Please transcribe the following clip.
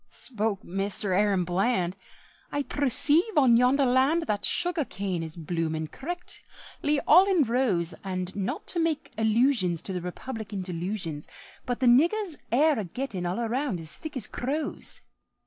Spoke Mister Aaron Bland, "I perceive on yonder land That sugar cane is bloomin', correctly, all in rows, And not to make allusions To Republican delusions, But the niggers air a gettin' all around as thick as crows."